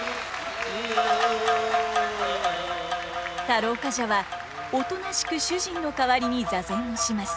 太郎冠者はおとなしく主人の代わりに座禅をします。